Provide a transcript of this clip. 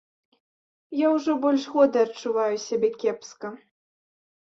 Я ўжо больш года адчуваю сябе кепска.